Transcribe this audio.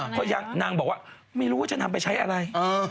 เพราะนางบอกว่าไม่รู้ว่าจะนำไปใช้อะไร